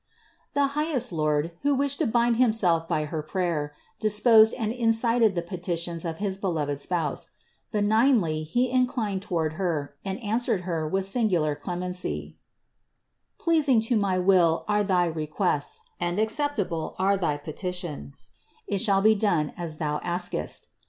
94. The highest Lord, who wished to bind Himself by her prayer, disposed and incited the petitions of his beloved Spouse ; benignly He inclined toward Her and answered Her with singular clemency : "Pleasing to my Will are thy requests, and acceptable are thy petitions: it shall be done as thou askest.